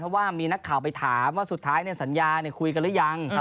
เพราะว่ามีนักข่าวไปถามว่าสุดท้ายสัญญาคุยกันหรือยัง